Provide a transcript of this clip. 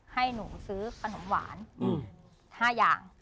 ให้หนูซื้อขนมหวาน๕อย่าง